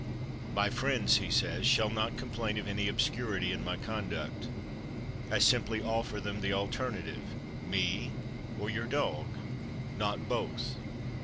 "My friends," he says, "shall not complain of any obscurity in my conduct. I simply offer them the alternative, me or your dog not both.